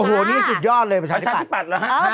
โอ้โหนี่สุดยอดเลยประชาธิปัตย์ประชาธิปัตย์หรอฮะ